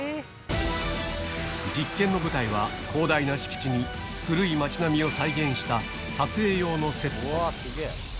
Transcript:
実験の舞台は広大な敷地に古い町並みを再現した撮影用のセット。